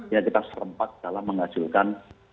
yang dapat serempat dalam menghasilkan